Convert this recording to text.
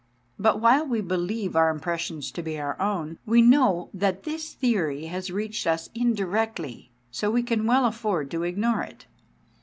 But while we believe our impressions to be our own, we know that this theory has reached us indirectly, so we can well afford to ignore it.